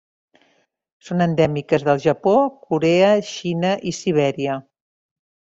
Són endèmiques del Japó, Corea, Xina i Sibèria.